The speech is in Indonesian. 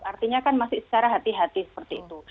artinya kan masih secara hati hati seperti itu